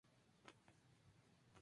Contaba con amplio apoyo popular.